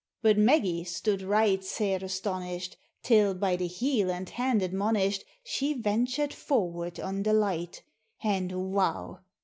But Maggie stood right sair astonished, Till, by the heel and hand admonished, She ventured forward on the light ; And, wow